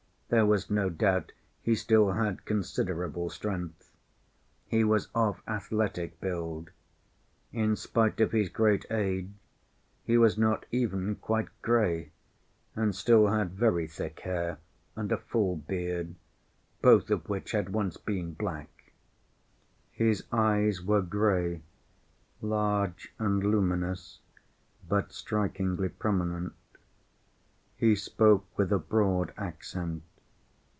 There was no doubt he still had considerable strength. He was of athletic build. In spite of his great age he was not even quite gray, and still had very thick hair and a full beard, both of which had once been black. His eyes were gray, large and luminous, but strikingly prominent. He spoke with a broad accent.